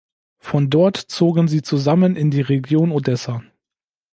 Von dort zogen sie zusammen in die Region Odessa.